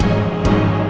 ya allah ya allah